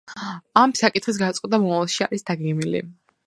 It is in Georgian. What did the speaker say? ამ საკითხის გადაწყვეტა მომავალში არის დაგეგმილი.